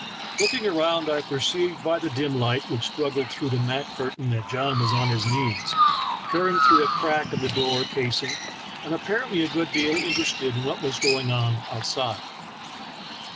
Looking around, I perceived by the dim light which struggled through the mat curtain that John was on his knees, peering through a crack in the door casing, and apparentl^^ a good deal inter ested in what was going on outside.